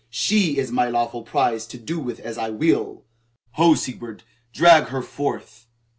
She is my lawful prize to do with as I will. Ho, Sigebert, drag her forth!"